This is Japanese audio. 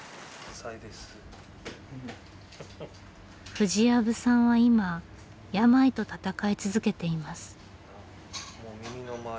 藤藪さんは今病と闘い続けています。